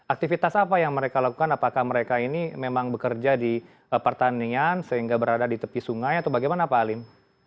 aktivitas apa yang mereka lakukan apakah mereka ini memang bekerja di pertanian sehingga berada di tepi sungai atau bagaimana pak alim